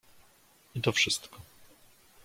"I to wszystko."